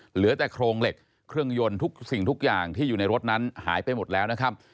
เหลือแต่โครงเหล็กเครื่องยนต์ทุกสิ่งทุกอย่างที่อยู่ในรถนั้นหายไปหมดแล้วนะครับ